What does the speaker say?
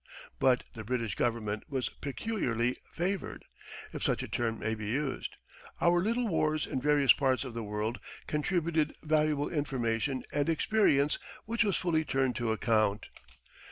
But the British Government was peculiarly favoured, if such a term may be used. Our little wars in various parts of the world contributed valuable information and experience which was fully turned to account.